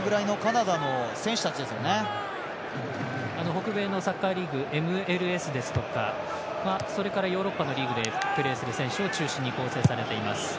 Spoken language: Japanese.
北米のサッカーリーグですとかそれからヨーロッパのリーグでプレーする選手を中心に構成されています。